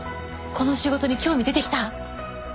この仕事に興味出てきた？